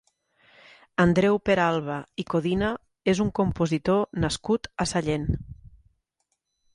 Andreu Peralba i Codina és un compositor nascut a Sallent.